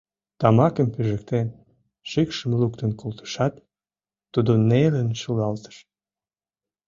Тамакым пижыктен, шикшым луктын колтышат, тудо нелын шӱлалтыш.